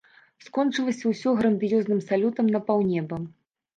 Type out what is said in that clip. Скончылася ўсё грандыёзным салютам на паўнеба.